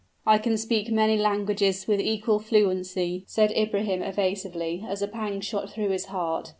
"I can speak many languages with equal fluency," said Ibrahim, evasively, as a pang shot through his heart.